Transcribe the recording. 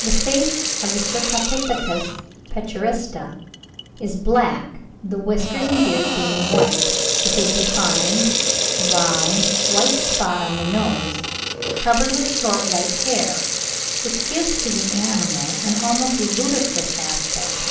The face of the Cercopithecus petaurista (Fig. 77) is black, the whiskers and beard being white, with a defined, round, white spot on the nose, covered with short white hair, which gives to the animal an almost ludicrous aspect.